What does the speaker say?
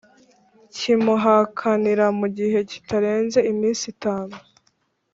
Kimuhakanira mu gihe kitarenze iminsi itanu